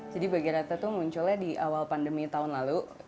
jadi bagirata itu munculnya di awal pandemi tahun lalu